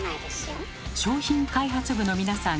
商品開発部の皆さん